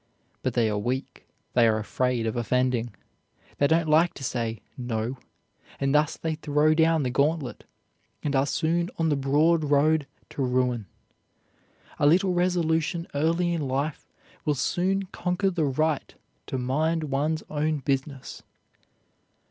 But they are weak, they are afraid of offending, they don't like to say "No," and thus they throw down the gauntlet and are soon on the broad road to ruin. A little resolution early in life will soon conquer the right to mind one's own business.